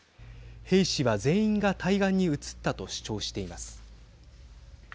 兵士は全員が対岸に移ったと主張しています。